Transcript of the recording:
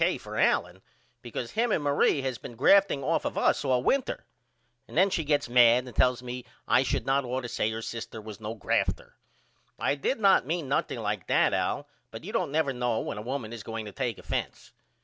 K. for Allen because him and Marie has been grafting off of us all winter. And then she gets mad and tells me I should not ought to say her sister was no grafter. I did not mean nothing like that Al but you don't never know when a woman is going to take offense.